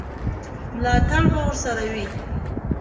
ملاتړ به ورسره وي.